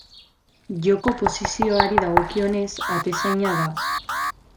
Joko posizioari dagokionez, atezaina da.